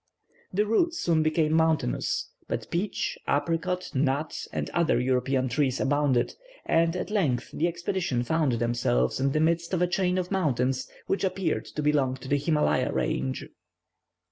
The route soon became mountainous, but peach, apricot, nut, and other European trees abounded, and at length the expedition found themselves in the midst of a chain of mountains, which appeared to belong to the Himalaya range.